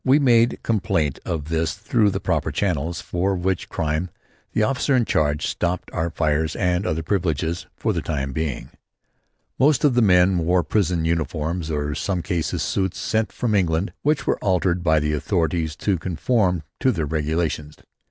We made complaint of this through the proper channels, for which crime the officer in charge stopped our fires and other privileges for the time being. Most of the men wore prison uniforms or in some cases, suits sent from England which were altered by the authorities to conform to their regulations.